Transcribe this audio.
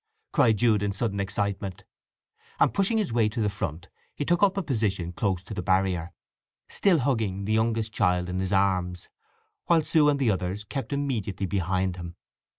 cried Jude in sudden excitement. And pushing his way to the front he took up a position close to the barrier, still hugging the youngest child in his arms, while Sue and the others kept immediately behind him.